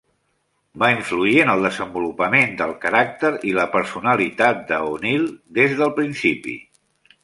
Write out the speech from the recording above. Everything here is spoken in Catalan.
Va influir en el desenvolupament del caràcter i la personalitat d'O'Neill des del principi.